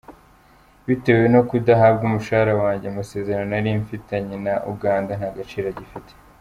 Bitewe no kudahabwa umushahara wanjye, amasezeran narimfitanye na Uganda nta gaciro agifite.